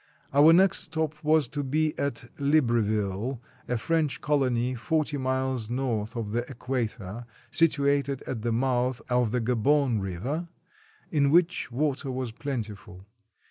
Our next stop was to be at Libreville, a French colony, forty miles north of the Equator, situated at the mouth of the Gaboon River, in which water was plentiful.